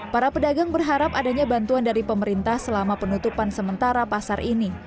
para pedagang berharap adanya bantuan dari pemerintah selama penutupan sementara pasar ini